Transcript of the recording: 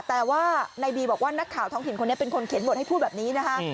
แต่ว่าในบีบอกว่านักข่าวท้องถิ่นคนนี้เป็นคนเขียนบทให้พูดแบบนี้นะคะ